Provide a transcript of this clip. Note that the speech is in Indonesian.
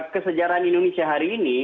kesejarahan indonesia hari ini